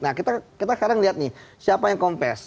nah kita sekarang lihat nih siapa yang compes